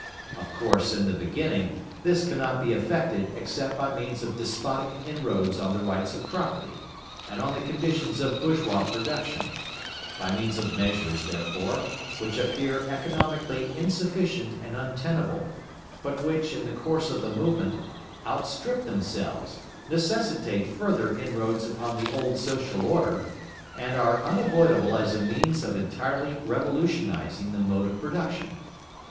Of course, in the beginning, this cannot be effected except by means of despotic inroads on the rights of property, and on the conditions of bourgeois production; by means of measures, therefore, which appear economically insufficient and untenable, but which, in the course of the movement, outstrip themselves, necessitate further inroads upon the old social order, and are unavoidable as a means of entirely revolutionising the mode of production.